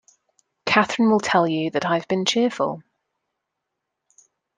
Catherine will tell you that I have been cheerful.